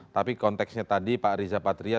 tapi konteksnya tadi pak riza patria